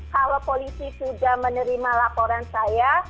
kalau polisi sudah menerima laporan saya